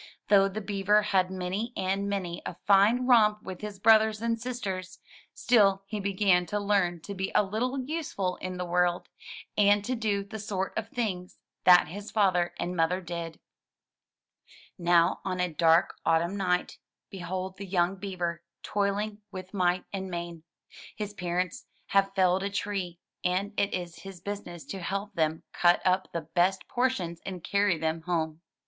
Though the Beaver had many and many a fine romp with his brothers and sisters, still he began to learn to be a little useful in the world, and to do the sort of things that his father and mother did. 119 MY BOOK HOUSE Now, on a dark autumn night, behold the young Beaver toiling with might and main. His parents have felled a tree, and it is his business to help them cut up the best portions and carry them home.